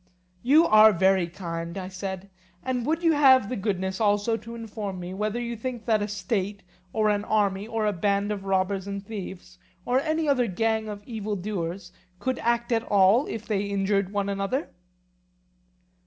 You are very kind, I said; and would you have the goodness also to inform me, whether you think that a state, or an army, or a band of robbers and thieves, or any other gang of evil doers could act at all if they injured one another?